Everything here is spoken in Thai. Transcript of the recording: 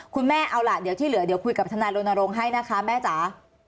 คุณแม่เอาล่ะเดี๋ยวที่เหลือเดี๋ยวคุยกับทนายรณรงค์ให้นะคะแม่จ๋า